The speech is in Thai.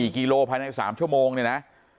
กิโลภายใน๓ชั่วโมงเนี่ยนะ